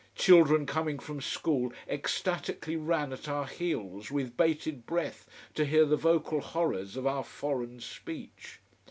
Children coming from school ecstatically ran at our heels, with bated breath, to hear the vocal horrors of our foreign speech.